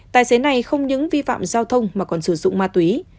tài xế này không những vi phạm giao thông mà còn sử dụng ma túy